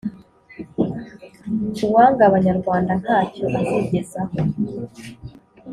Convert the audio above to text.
Uwanga Abanyarwanda ntacyo azigezaho